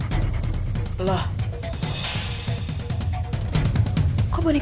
mas joko kena fitnah